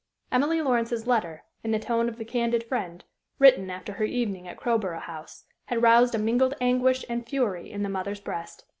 Emily Lawrence's letter, in the tone of the candid friend, written after her evening at Crowborough House, had roused a mingled anguish and fury in the mother's breast.